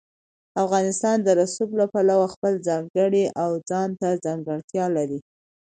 افغانستان د رسوب له پلوه خپله ځانګړې او ځانته ځانګړتیا لري.